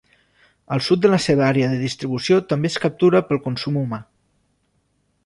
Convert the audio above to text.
Al sud de la seva àrea de distribució també es captura pel consum humà.